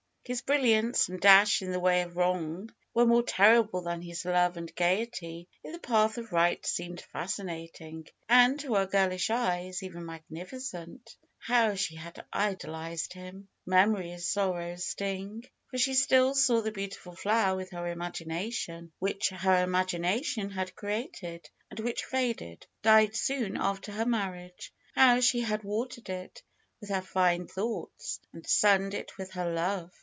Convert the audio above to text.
His brilliance and dash in the way of wrong were more terrible than his love and gayety in the path of right seemed fascinating, and, to her girlish eyes, even magnificent. How she had ideal ized him! Memory is sorrow's sting. For she still saw the beautiful fiower which her imagination had created, and which faded, died soon after her marriage. How she had watered it with her fine thoughts, and sunned it with her love